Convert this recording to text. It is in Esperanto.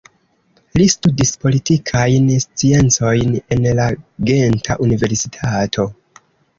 Li studis politikajn sciencojn en la Genta Universitato.